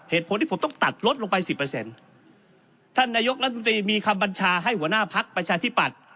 เหตุผลที่ผมต้องตัดลดลงไปสิบเปอร์เซ็นต์ท่านนายกรัฐมนตรีมีคำบัญชาให้หัวหน้าพักประชาธิปัตย์